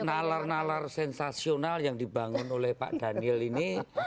nalar nalar sensasional yang dibangun oleh pak daniel ini